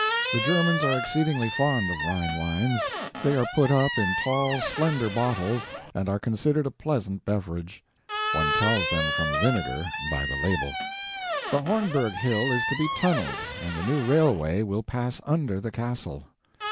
The Germans are exceedingly fond of Rhine wines; they are put up in tall, slender bottles, and are considered a pleasant beverage. One tells them from vinegar by the label. The Hornberg hill is to be tunneled, and the new railway will pass under the castle.